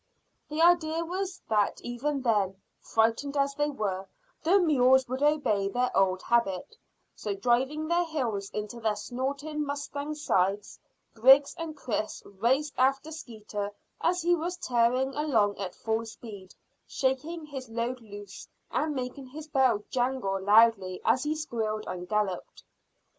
The idea was that even then, frightened as they were, the mules would obey their old habit, so driving their heels into their snorting mustangs' sides, Griggs and Chris raced after Skeeter as he was tearing along at full speed, shaking his load loose, and making his bell jangle loudly as he squealed and galloped.